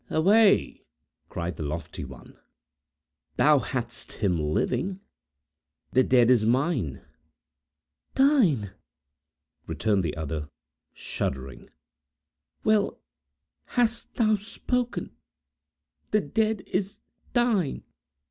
"Away!" cried the lofty one. "Thou hadst him living! The dead is mine!" "Thine!" returned the other, shuddering. "Well hast thou spoken! The dead is thine!"